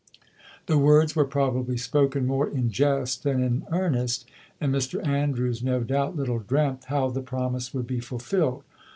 The words were probably spoken more in jest than in earnest, and Mr Andrews no doubt little dreamt how the promise would be fulfilled.